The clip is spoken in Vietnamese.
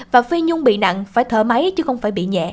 và phê nhung bị nặng phải thở máy chứ không phải bị nhẹ